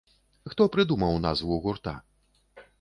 Хто прыдумаў назву гурта?